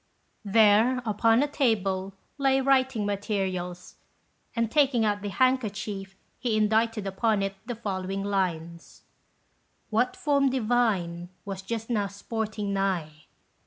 There, upon a table, lay writing materials, and taking out the handkerchief he indited upon it the following lines: "What form divine was just now sporting nigh?